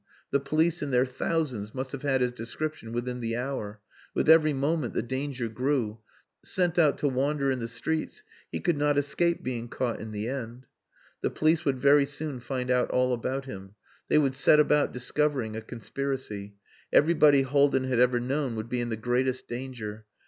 The police in their thousands must have had his description within the hour. With every moment the danger grew. Sent out to wander in the streets he could not escape being caught in the end. The police would very soon find out all about him. They would set about discovering a conspiracy. Everybody Haldin had ever known would be in the greatest danger.